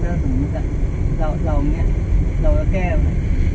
ถามว่าลงภูมิมาแล้วเป็นภูมิว่าผมต้องทำยังไงบ้าง